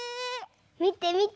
みてみて。